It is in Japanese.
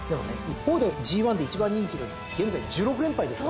一方でＧⅠで一番人気が現在１６連敗ですからね。